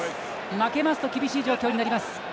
負けますと厳しい状況になります。